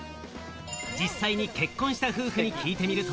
実際に結婚した夫婦に聞いてみると。